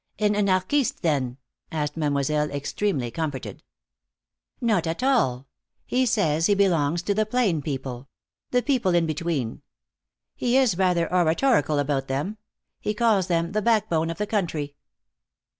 "An anarchist, then?" asked. Mademoiselle, extremely comforted. "Not at all. He says he belongs to the plain people. The people in between. He is rather oratorical about them. He calls them the backbone of the country."